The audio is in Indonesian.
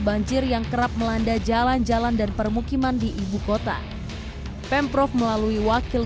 banjir yang kerap melanda jalan jalan dan permukiman di ibu kota pemprov melalui wakil